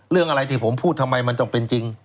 เรื่องอะไรที่ผมพูดทำไมมันต้องเป็นจริง